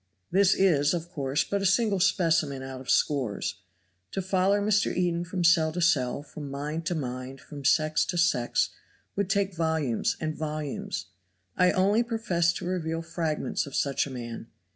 This is, of course, but a single specimen out of scores. To follow Mr. Eden from cell to cell, from mind to mind, from sex to sex, would take volumes and volumes. I only profess to reveal fragments of such a man.